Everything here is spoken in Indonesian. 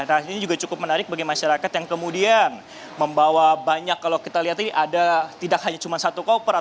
nah ini juga cukup menarik bagi masyarakat yang kemudian membawa banyak kalau kita lihat ini ada tidak hanya cuma satu koper